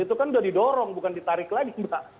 itu kan sudah didorong bukan ditarik lagi mbak